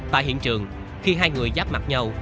tại hiện trường khi hai người giáp mặt nhau